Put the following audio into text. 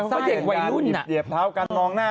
เป็นการเหยียบเท้ากัน